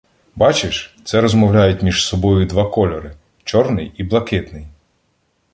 — Бачиш, це розмовляють між собою два кольори: чорний і блакитний.